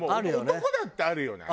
男だってあるよね。